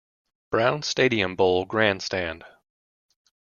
Brown Stadium bowl grandstand.